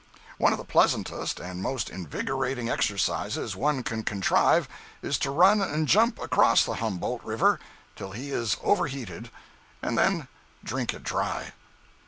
One of the pleasantest and most invigorating exercises one can contrive is to run and jump across the Humboldt river till he is overheated, and then drink it dry.